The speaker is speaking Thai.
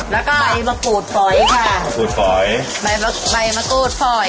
แล้วก็ใบมะกรูดฝอยค่ะมะกรูดฝอยใบมะใบมะกรูดฝอย